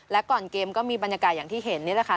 และก่อนเกมก็มีบรรยากาศอย่างที่เห็นนี่แหละค่ะ